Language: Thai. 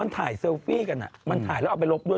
มันถ่ายเซลฟี่กันมันถ่ายแล้วเอาไปลบด้วย